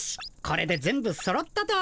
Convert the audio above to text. これで全部そろったと。